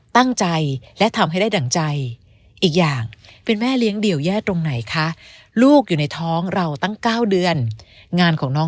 ตั้งใจและทำให้ได้ดั่งใจอีกอย่าง